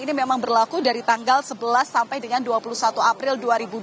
ini memang berlaku dari tanggal sebelas sampai dengan dua puluh satu april dua ribu dua puluh